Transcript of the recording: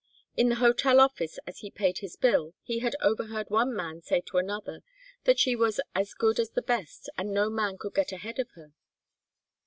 In the hotel office as he paid his bill he had overheard one man say to another that she was "as good as the best, and no man could get ahead of her."